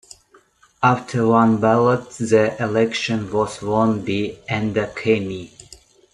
After one ballot the election was won by Enda Kenny.